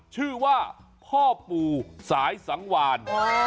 ชื่อว่าพ่อปู่สายสังวาน